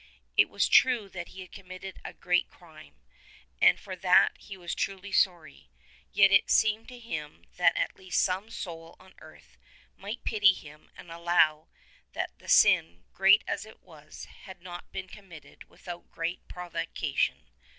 It was true that he had committed a great crime, and for that he was truly sorry: yet it seemed to him that at least some soul on earth might pity him and allow that the sin, great as it was, had not been committed without great provocation.